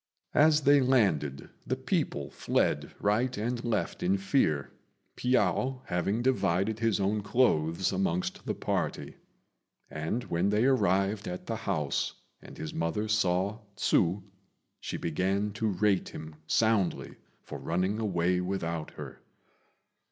As they landed the people fled right and left in fear, Piao having divided his own clothes amongst the party; and when they arrived at the house, and his mother saw Hsü, she began to rate him soundly for running away without her.